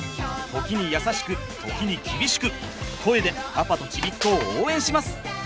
時に優しく時に厳しく声でパパとちびっこを応援します！